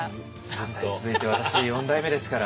三代続いて私で四代目ですから。